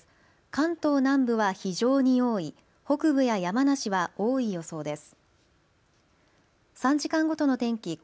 関東南部は非常に多い、北部や山梨は多い予想です。